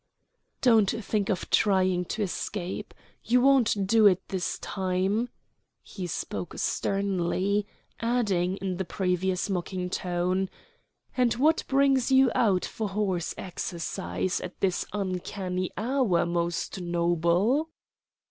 "Don't think of trying to escape. You won't do it this time." He spoke sternly, adding, in the previous mocking tone, "And what brings you out for horse exercise at this uncanny hour, most noble?"